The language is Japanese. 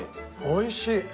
おいしい！